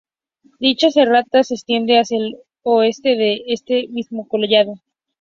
Dicha serrata se extiende hacia el O desde este mismo collado.